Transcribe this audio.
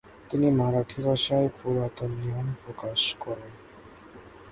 তিনি মারাঠি ভাষায় পুরাতন নিয়ম প্রকাশ করেন।